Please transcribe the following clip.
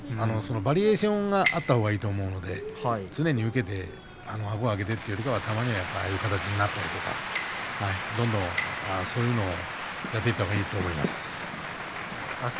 バリエーションがあったほうがいいと思うので常に受けてあごを上げてくるのはたまにはねああいう形になったりとかどんどんそういうのが出たほうがいいと思います。